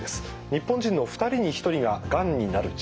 日本人の２人に１人ががんになる時代。